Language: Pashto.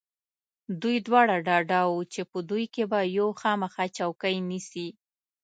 دوی دواړه ډاډه و چې په دوی کې به یو خامخا چوکۍ نیسي.